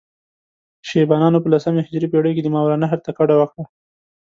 شیبانیانو په لسمې هجري پېړۍ کې ماورالنهر ته کډه وکړه.